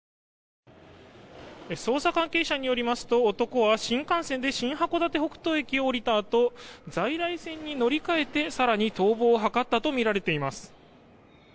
捜査関係者によりますと男は新幹線で新函館北斗駅を降りたあと在来線に乗り換えて更に逃亡を図ったとみられています。